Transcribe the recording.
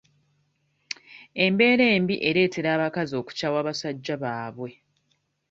Embeera embi ereetera abakazi okukyawa abasajja baabwe.